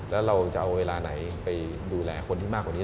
แล้วเราจะเอาเวลาไหนไปดูแลคนที่มากกว่านี้